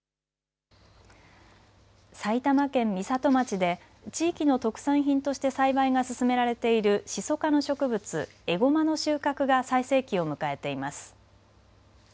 埼玉県美里町で地域の特産品として栽培が進められているシソ科の植物、エゴマの収穫が最盛期を迎えています。